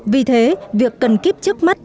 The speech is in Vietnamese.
vì thế việc cần kiếp trước mắt